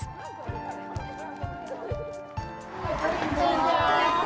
こんにちは。